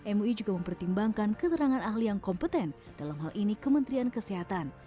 mui juga mempertimbangkan keterangan ahli yang kompeten dalam hal ini kementerian kesehatan